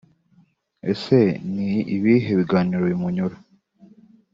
Ese ni ibihe biganiro bimunyura